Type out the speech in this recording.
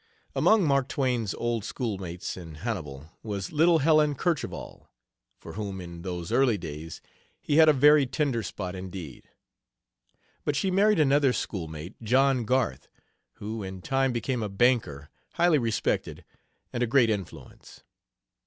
Among Mark Twain's old schoolmates in Hannibal was little Helen Kercheval, for whom in those early days he had a very tender spot indeed. But she married another schoolmate, John Garth, who in time became a banker, highly respected and a great influence.